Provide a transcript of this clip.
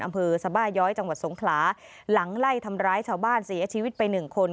อำเภอสบาย้อยจังหวัดสงขลาหลังไล่ทำร้ายชาวบ้านเสียชีวิตไปหนึ่งคน